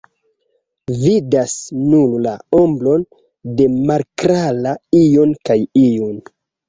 Vidas nur la ombron de malklara ion kaj iun.